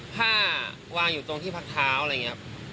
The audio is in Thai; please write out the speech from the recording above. ผ้าวางอยู่ตรงที่พักเท้า